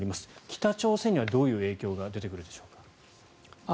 北朝鮮にはどういう影響が出てくるでしょう。